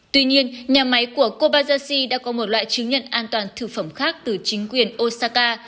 tuy nhiên nhà máy của kobajashi đã có một loại chứng nhận an toàn thực phẩm khác từ chính quyền osaka